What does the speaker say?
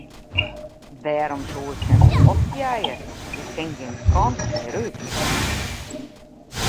Wêrom soe ik him opjeie, hy kin gjin kant mear út.